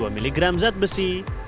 dua miligram zat besi